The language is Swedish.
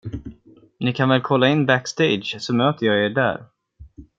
Ni kan väl kolla in backstage så möter jag er där?